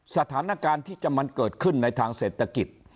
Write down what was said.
สถานการณ์ที่จะมันเกิดขึ้นในทางเศรษฐกิจ